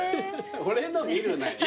俺の見るなよ。